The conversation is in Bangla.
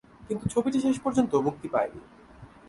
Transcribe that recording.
কিন্তু ছবিটি শেষ পর্যন্ত মুক্তি পায়নি।